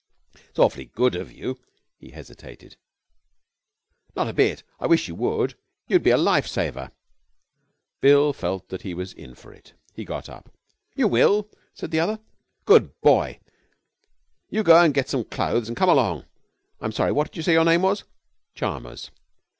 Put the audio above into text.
'It's awfully good of you ' He hesitated. 'Not a bit; I wish you would. You would be a life saver.' Bill felt that he was in for it. He got up. 'You will?' said the other. 'Good boy! You go and get into some clothes and come along. I'm sorry, what did you say your name was?' 'Chalmers.'